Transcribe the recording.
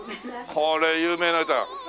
これ有名な歌。